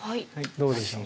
どうでしょう。